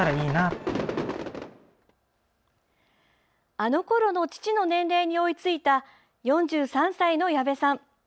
あのころの父の年齢に追いついた、４３歳の矢部さん。